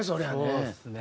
そうですね。